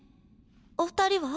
お二人は？